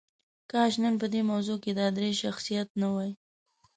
کاش نن په دې موضوع کې دا درې شخصیات نه وای.